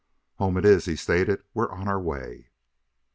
"Home it is!" he stated. "We're on our way!"